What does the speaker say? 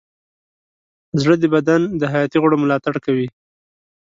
زړه د بدن د حیاتي غړو ملاتړ کوي.